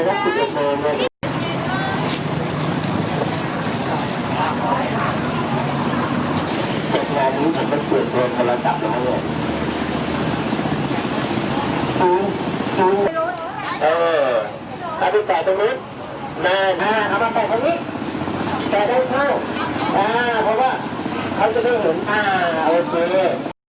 เอาจะได้เห็นอ่าโอเค